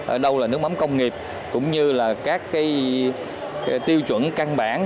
ở đâu là nước mắm công nghiệp cũng như là các cái tiêu chuẩn căn bản